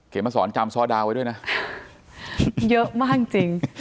มาสอนจำซอดาวไว้ด้วยนะเยอะมากจริง